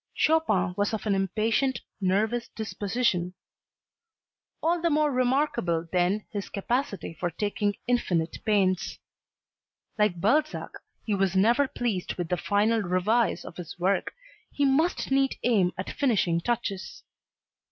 Chopin was of an impatient, nervous disposition. All the more remarkable then his capacity for taking infinite pains. Like Balzac he was never pleased with the final "revise" of his work, he must needs aim at finishing touches.